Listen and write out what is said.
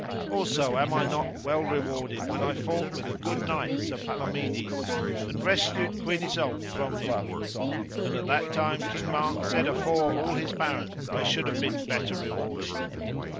Also am I not well rewarded when I fought with the good knight Sir Palomides and rescued Queen Isoud from him; and at that time King Mark said afore all his barons I should have been better rewarded.